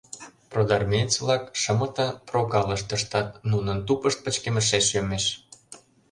Продармеец-влак шымытын прогалыш тӧрштат, нунын тупышт пычкемышеш йомеш.